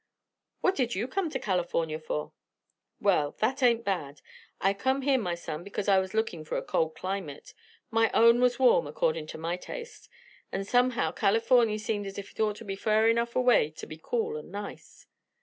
"What did you come to California for?" "Well, that ain't bad. I come here, my son, because I was lookin' for a cold climate. My own was warm, accordin' to my taste, and somehow Californy seemed as if it ought to be fur enough away to be cool and nice."